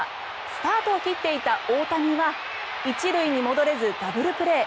スタートを切っていた大谷は１塁に戻れずダブルプレー。